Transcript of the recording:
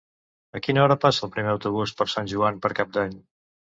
A quina hora passa el primer autobús per Sant Joan per Cap d'Any?